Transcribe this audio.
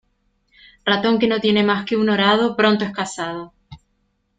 Ratón que no tiene más que un horado, pronto es cazado.